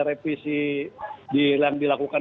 reprisi yang dilakukan